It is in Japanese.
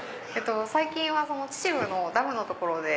最近は秩父のダムの所で。